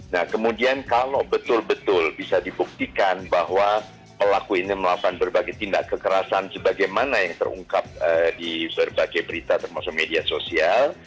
nah kemudian kalau betul betul bisa dibuktikan bahwa pelaku ini melakukan berbagai tindak kekerasan sebagaimana yang terungkap di berbagai berita termasuk media sosial